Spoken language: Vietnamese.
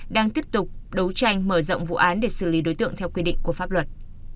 đang tiếp tục đấu tranh mở rộng vụ án để xử lý đối tượng theo quy định của pháp luật